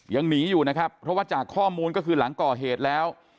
ยังหนีอยู่นะครับเพราะว่าจากข้อมูลก็คือหลังก่อเหตุแล้ว